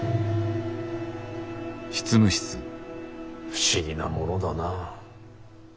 不思議なものだな。